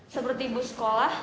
seperti bus sekolah